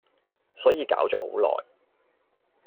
所以搞咗好耐